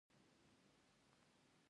خداى پاک څومره لوى احسان راباندې کړى.